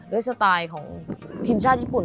สไตล์ของทีมชาติญี่ปุ่น